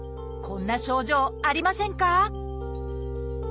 こんな症状ありませんか？